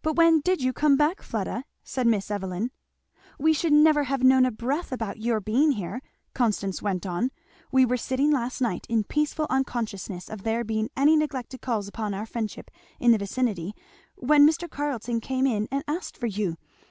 "But when did you come back, Fleda?" said Miss Evelyn. "We should never have known a breath about your being here," Constance went on. "We were sitting last night in peaceful unconsciousness of there being any neglected calls upon our friendship in the vicinity, when Mr. Carleton came in and asked for you.